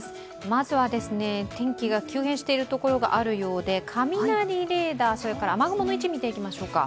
まずは天気が急変しているところがあるようで雷レーダー、雨雲の位置見ていきましょうか。